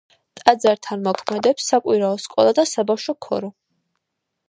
ტაძართან მოქმედებს საკვირაო სკოლა და საბავშვო ქორო.